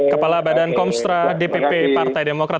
kepala badan komstra dpp partai demokrat